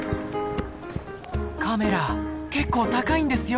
カメラ結構高いんですよ！